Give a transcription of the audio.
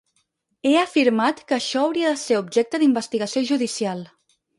He afirmat que això hauria de ser objecte d’investigació judicial.